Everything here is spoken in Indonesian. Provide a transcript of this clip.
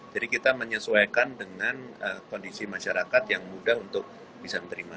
jadi kita menyesuaikan dengan kondisi masyarakat yang mudah untuk bisa menerima